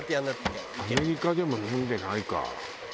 アメリカでも飲んでないか。